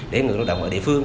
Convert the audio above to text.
để người lao động ở địa phương